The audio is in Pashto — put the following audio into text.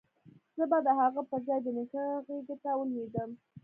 زه به د هغه پر ځاى د نيکه غېږې ته ولوېدم.